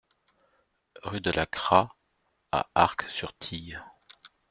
Rue de la Cras à Arc-sur-Tille